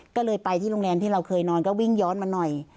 ก็เลยไปที่โรงแรมที่เราเคยนอนก็วิ่งย้อนมาหน่อย